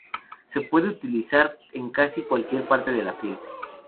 Se puede utilizar en casi cualquier parte de la piel.